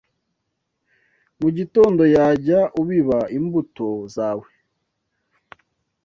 Mu gitondo jya ubiba imbuto zawe